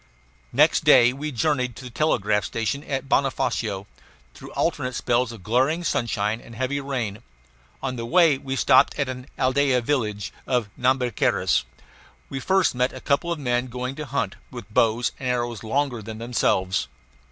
Next day we journeyed to the telegraph station at Bonofacio, through alternate spells of glaring sunshine and heavy rain. On the way we stopped at an aldea village of Nhambiquaras. We first met a couple of men going to hunt, with bows and arrows longer than themselves.